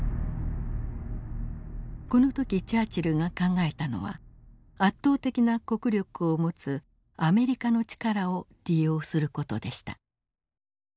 この時チャーチルが考えたのは圧倒的な国力を持つアメリカの力を利用する事でした。